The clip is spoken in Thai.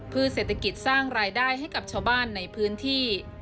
เศรษฐกิจสร้างรายได้ให้กับชาวบ้านในพื้นที่